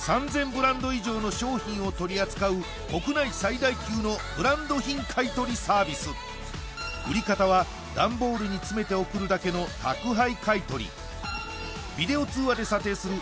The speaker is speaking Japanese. ブランド以上の商品を取り扱う国内最大級のブランド品買取サービス売り方はダンボールに詰めて送るだけの宅配買取ビデオ通話で査定する